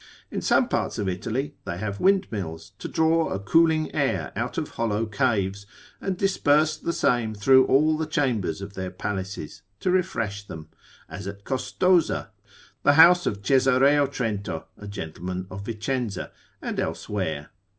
In some parts of Italy they have windmills, to draw a cooling air out of hollow caves, and disperse the same through all the chambers of their palaces, to refresh them; as at Costoza, the house of Caesareo Trento, a gentleman of Vicenza, and elsewhere.